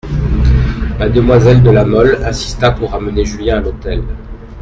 Mademoiselle de La Mole insista pour ramener Julien à l'hôtel.